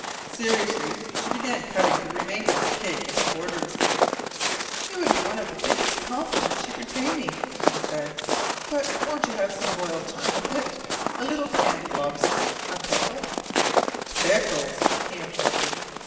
Seriously she began cutting the remainder of the cake into quarters. "It would be one of the biggest compliments you could pay me," she said. "But won't you have some boiled tongue with it, a little canned lobster, a pickle " "Pickles!" he interrupted.